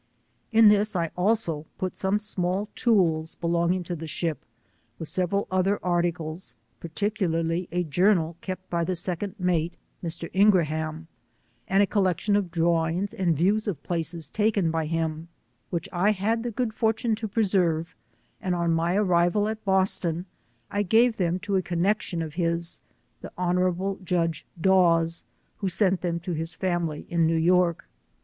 In this I also put some ^mall tools be longing to the bhip, with several other articles, 41 particularly a journal kept by the second mate, Mr. lugiaham, and a collection of drawings and views of places taken by him, which 1 had the good for tune to preserve, and on my arrival at Boston, I gave them to a connection of his, the honourable Judge Dawes, who sent them to his family fn New York.